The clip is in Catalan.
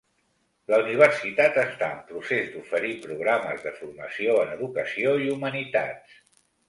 La Universitat està en procés d'oferir programes de formació en educació i humanitats.